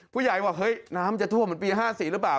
ผู้ใหญ่บอกเฮ้ยน้ำจะท่วมเหมือนปี๕๔หรือเปล่า